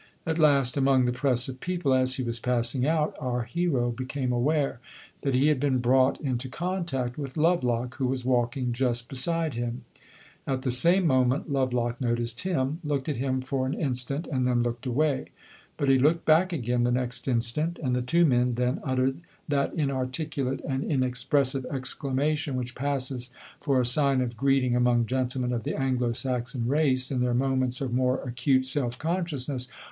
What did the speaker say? At last, among the press of people, as he was passing out, our hero became aware that he had been brought into contact with Lovelock, who was walking just beside him. At the same moment Lovelock noticed him looked at him for an instant, and then looked away. But he looked back again the next instant, and the two men then uttered that inarticulate and inexpressive exclamation which passes for a sign of greeting among gentlemen of the Anglo Saxon race, in their moments of more acute self consciousness.